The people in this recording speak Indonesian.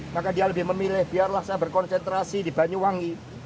maka dia lebih memilih biarlah saya berkonsentrasi di banyuwangi